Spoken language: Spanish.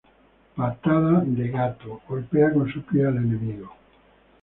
Patada de gato: Golpea con su pie al enemigo.